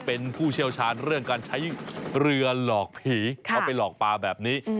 เป็นผู้เชี่ยวชาญเรื่องการใช้เรือหลอกผีเอาไปหลอกปลาแบบนี้